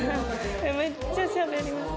めっちゃしゃべります。